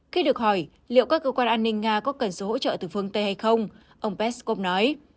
khi được hỏi liệu các cơ quan an ninh nga có cần sự hỗ trợ từ phương tây hay không ông peskov nói